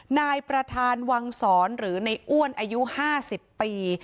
นายประธานวังศรหรือในอ้วนอายุ๕๐ปี